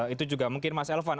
itu juga mungkin mas elvan